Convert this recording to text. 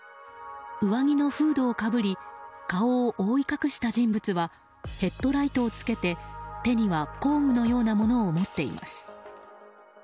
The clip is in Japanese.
上着のフードをかぶり顔を覆い隠した人物はヘッドライトをつけて、手には工具のようなものを持っています。